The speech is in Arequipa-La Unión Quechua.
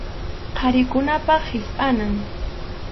Qharikunapa hispʼanan.